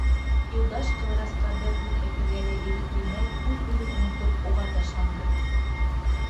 Юлдаш Ҡыҙырасҡа бер һүҙ әйтергә лә ирек бирмәй, үҙ-үҙен онотоп, уға ташланды.